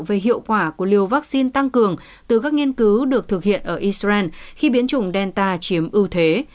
về hiệu quả của liều vaccine tăng cường từ các nghiên cứu được thực hiện ở israel khi biến chủng delta chiếm ưu thế